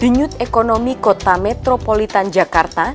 denyut ekonomi kota metropolitan jakarta